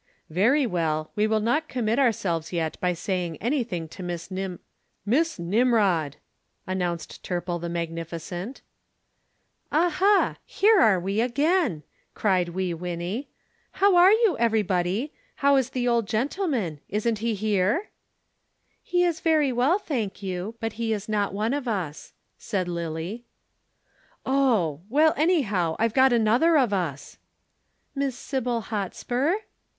"Very well; we will not commit ourselves yet by saying anything to Miss Nim " "Miss Nimrod," announced Turple the magnificent. "Aha! Here we are again!" cried Wee Winnie. "How are you, everybody? How is the old gentleman? Isn't he here?" "He is very well, thank you, but he is not one of us," said Lillie. "Oh! Well, anyhow, I've got another of us." "Miss Sybil Hotspur?"